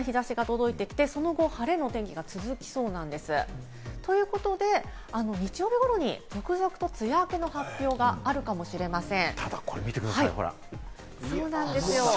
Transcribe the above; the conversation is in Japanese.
ただ関東から西の地域は、あすは段々日差しが届いてきて、その後、晴れの天気が続きそうなんです。ということで、日曜日頃に続々と梅雨明けの発表があるかもしれません。